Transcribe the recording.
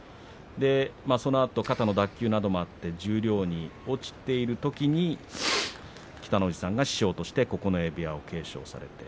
そのあと肩の脱臼などもあって十両に落ちているときに北の富士さんが師匠として九重部屋を継承されました。